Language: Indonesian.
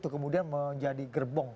kemudian menjadi gerbong